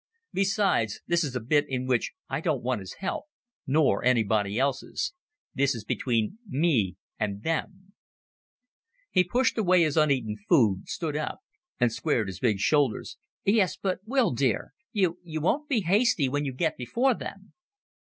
Besides, this is a bit in which I don't want his help, nor nobody else's. This is between me and them." He pushed away his uneaten food, stood up, and squared his big shoulders. "Yes, but, Will dear you, you won't be hasty when you get before them."